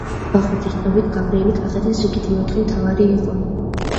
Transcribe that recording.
ვახუშტის ცნობით გაბრიელი კახეთის რიგით მეოთხე მთავარი იყო.